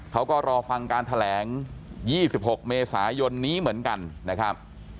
เขาก็รอฟังการแถลง๒๖เมษายนนี้เหมือนกันนะครับ